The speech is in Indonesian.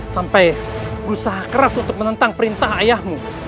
sampai berusaha keras untuk menentang perintah ayahmu